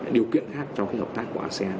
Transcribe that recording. điều kiện khác cho cái hợp tác của asean